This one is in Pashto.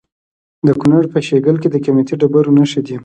د کونړ په شیګل کې د قیمتي ډبرو نښې دي.